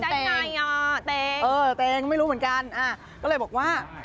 ด้านในอ่ะเต็งเออเต็งไม่รู้เหมือนกันอ่าก็เลยบอกว่า